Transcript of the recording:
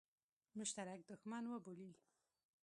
مشترک دښمن وبولي.